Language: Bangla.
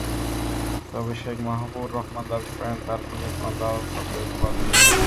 তবে শেখ মাহবুবুর রহমান দাবি করেন, তাঁর সঙ্গে কোনো দালাল চক্রের যোগাযোগ নেই।